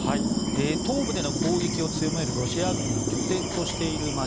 東部での攻撃を強めるロシア軍が拠点としている街